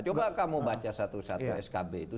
coba kamu baca satu satu skb itu